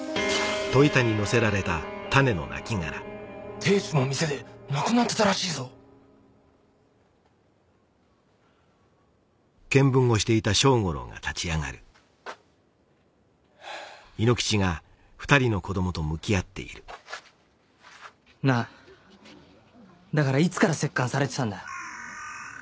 亭主も店で亡くなってたらしいぞなぁだからいつから折檻されてたんだ